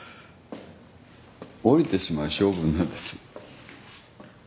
おりてしまう性分なんです。